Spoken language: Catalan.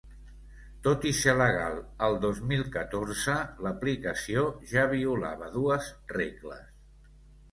Tot i ser legal el dos mil catorze, l’aplicació ja violava dues regles.